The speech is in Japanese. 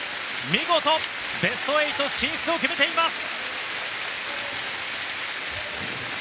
見事ベスト８進出を決めています。